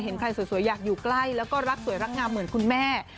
เห็นใครสวยอยากอยู่ใกล้แล้วก็รักสวยรักงามเหมือนคุณแม่